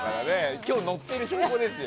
今日、ノってる証拠ですよ。